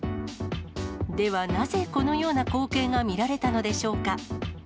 ではなぜ、このような光景が見られたのでしょうか。